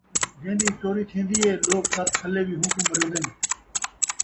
جین٘دی چوری تھین٘دی ہے، لوک ست کھلے وی ہوں کوں مرین٘دن